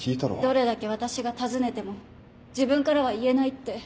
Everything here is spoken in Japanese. どれだけ私が尋ねても「自分からは言えない」って。